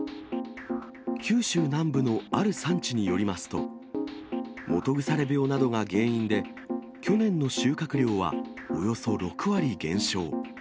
九州南部のある産地によりますと、基腐病などが原因で、去年の収穫量はおよそ６割減少。